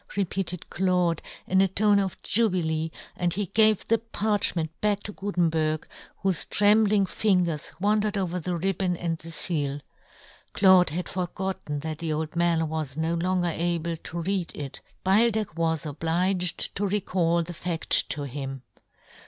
repeated Claude, in a tone of jubilee, and he gave the parch ment back to Gutenberg, vv^hofe trembling fingers w^andered over the ribbon and the feal. Claude had forgotten that the old man w^as no longer able to read it; Beildech w^as obliged to recall the fad: to him.